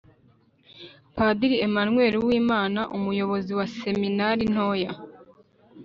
padiri emanweli uwimana, umuyobozi wa seminari ntoya